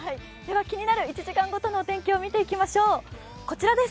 気になる１時間ごとのお天気を見ていきましょう。